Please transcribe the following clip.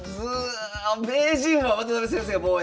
名人は渡辺先生が防衛。